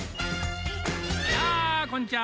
やあこんにちは！